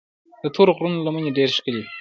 د تورو غرونو لمنې ډېرې ښکلي دي.